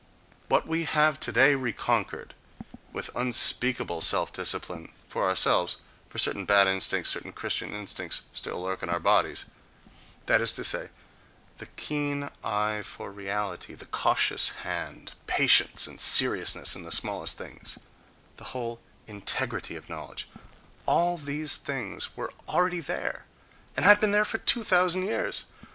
What we have today reconquered, with unspeakable self discipline, for ourselves—for certain bad instincts, certain Christian instincts, still lurk in our bodies—that is to say, the keen eye for reality, the cautious hand, patience and seriousness in the smallest things, the whole integrity of knowledge—all these things were already there, and had been there for two thousand years!